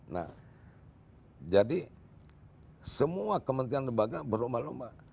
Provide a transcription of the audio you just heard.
nah jadi semua kementerian lembaga berlomba lomba